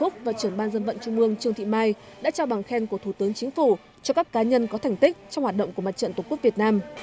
đại hội đã trao bằng khen của thủ tướng chính phủ cho các cá nhân có thành tích trong hoạt động của mặt trận tổ quốc việt nam